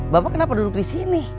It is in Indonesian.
bapak kenapa duduk disini